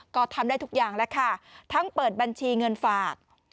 ก็ทำได้ทุกอย่างแล้วค่ะทั้งเปิดบัญชีเงินฝาก